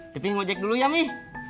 tapi mau jek dulu ya mih